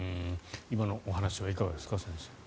今のお話はいかがですか。